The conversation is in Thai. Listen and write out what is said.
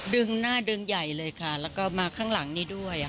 ดึงหน้าดึงใหญ่เลยค่ะแล้วก็มาข้างหลังนี้ด้วย